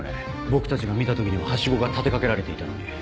僕たちが見た時にはハシゴが立て掛けられていたのに。